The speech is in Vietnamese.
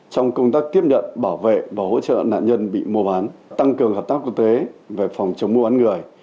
trong công tác tiếp nhận bảo vệ và hỗ trợ nạn nhân bị mua bán tăng cường hợp tác quốc tế về phòng chống mua bán người